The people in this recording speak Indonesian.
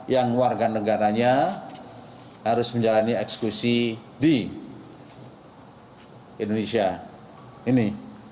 yang warga negaranya harus menjalani eksekusi di indonesia ini